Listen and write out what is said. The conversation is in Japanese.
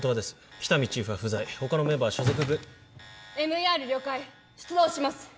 喜多見チーフは不在他のメンバーは所属ＭＥＲ了解出動します